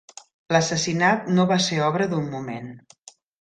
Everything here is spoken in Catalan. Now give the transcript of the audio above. L'assassinat no va ser obra d'un moment.